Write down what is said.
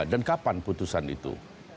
dan kapan putusan itu